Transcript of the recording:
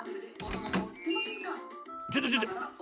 ちょっとちょっと。